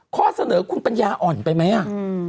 ข้อเสนอคุณปัญญาอ่อนไปไหมอ่ะ